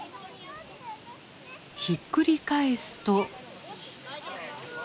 ひっくり返すと。